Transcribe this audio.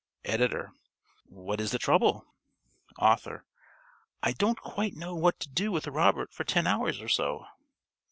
_ ~Editor.~ What is the trouble? ~Author.~ _I don't quite know what to do with Robert for ten hours or so.